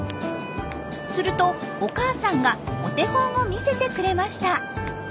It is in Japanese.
するとお母さんがお手本を見せてくれました。